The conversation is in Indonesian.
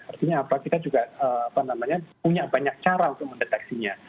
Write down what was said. artinya apa kita juga punya banyak cara untuk mendeteksinya